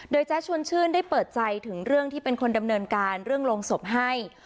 โดยแจ๊ดชวนชื่นได้เปิดใจถึงเรื่องที่เป็นคนดำเนินการเรื่องโรงศพให้